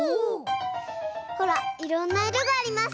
ほらいろんないろがあります。